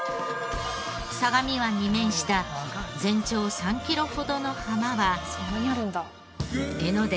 相模湾に面した全長３キロほどの浜は。